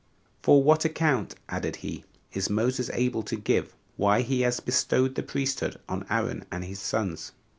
For what account," added he, "is Moses able to give, why he has bestowed the priesthood on Aaron and his sons?